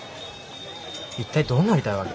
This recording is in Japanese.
一体どうなりたいわけ？